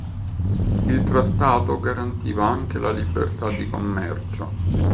Il trattato garantiva anche la libertà di commercio.